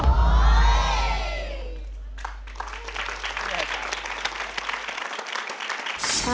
ผิดครับ